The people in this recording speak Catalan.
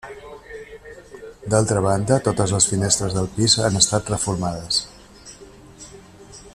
D'altra banda, totes les finestres del pis han estat reformades.